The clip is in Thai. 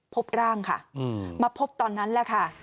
พบร่างค่ะมาพบตอนนั้นแหละค่ะ